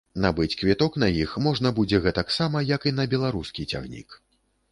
Набыць квіток на іх можна будзе гэтаксама, як і на беларускі цягнік.